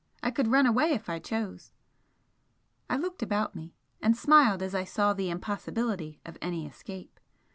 I could run away if I chose! I looked about me and smiled as I saw the impossibility of any escape.